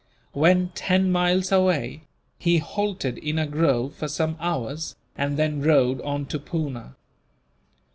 When ten miles away, he halted in a grove for some hours, and then rode on to Poona.